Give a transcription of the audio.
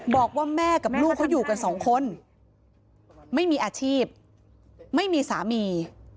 บอกว่าแม่กับลูกเขาอยู่กันสองคนไม่มีอาชีพไม่มีสามี